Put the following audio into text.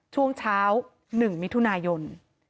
ช่วงเช้า๑มิถุนายน